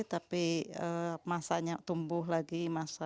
tapi masanya tumbuh lagi